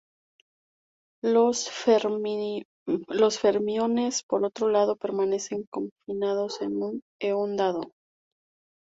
Los fermiones, por otro lado, permanecen confinados en un eón dado.